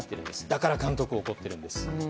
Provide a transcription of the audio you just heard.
だから監督は怒っているんです。